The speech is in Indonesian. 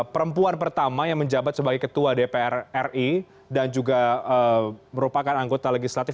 perempuan pertama yang menjabat sebagai ketua dpr ri dan juga merupakan anggota legislatif